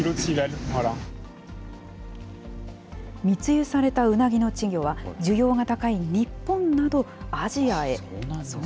密輸されたウナギの稚魚は、需要が高い日本など、アジアへ。